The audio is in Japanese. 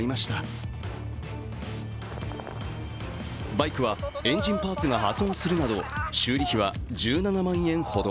バイクはエンジンパーツが破損するなど、修理費は１７万円ほど。